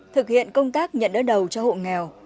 thực hiện công tác nhận đỡ đầu cho hộ nghèo